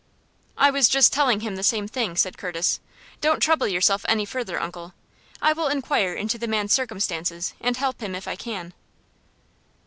"I was just telling him the same thing," said Curtis. "Don't trouble yourself any further, uncle. I will inquire into the man's circumstances, and help him if I can."